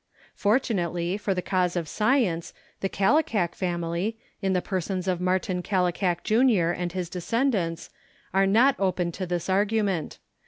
Fortunately for the cause of science, the Kallikak family, in the persons of Martin Kallikak Jr. and his descendants, are not open to this argument.